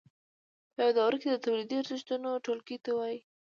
په یوه دوره کې د تولیدي ارزښتونو ټولګې ته وایي